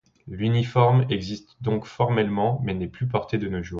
L'uniforme existe donc formellement, mais n'est plus porté de nos jours.